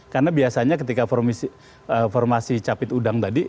karena biasanya ketika formasi capit udang tadi